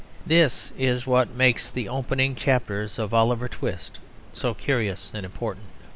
This is what makes the opening chapters of Oliver Twist so curious and important.